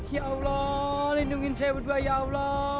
ya allah lindungi saya berdua ya allah